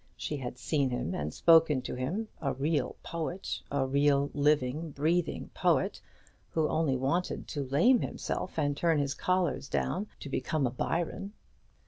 She had seen him, and spoken to him, a real poet, a real, living, breathing poet, who only wanted to lame himself, and turn his collars down, to become a Byron.